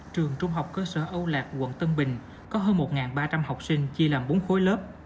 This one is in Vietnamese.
trường trung học cơ sở âu lạc quận tân bình có hơn một ba trăm linh học sinh chia làm bốn khối lớp